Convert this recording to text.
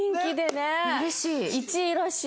１位らしい。